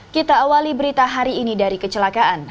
kita awali berita hari ini dari kecelakaan